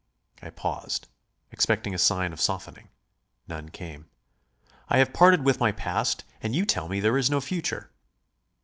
I paused, expecting a sign of softening. None came. "I have parted with my past and you tell me there is no future."